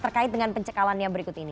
terkait dengan pencekalannya berikut ini